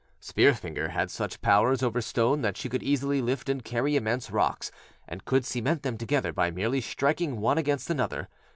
Spear finger had such powers over stone that she could easily lift and carry immense rocks, and could cement them together by merely striking one against another.